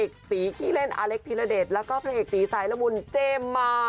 ดีเลยรู้สึกว่าไทยเลยไม่ตายนะโอ้โหย